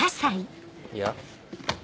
いや。